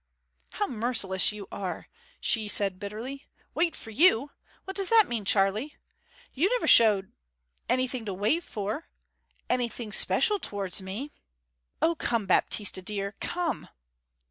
'How merciless you are!' she said bitterly. 'Wait for you? What does that mean, Charley? You never showed anything to wait for anything special towards me.' 'O come, Baptista dear; come!'